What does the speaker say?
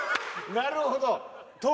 なるほど。